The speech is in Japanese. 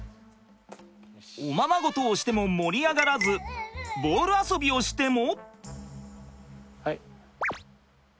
おままごとをしても盛り上がらずボール遊びをしても。